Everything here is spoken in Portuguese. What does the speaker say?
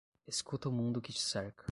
escuta o mundo que te cerca